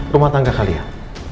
rumah tangga kalian